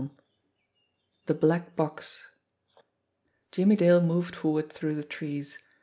=^XXIV THE BLACK BOX J I MM IE DALE moved forward through the trees.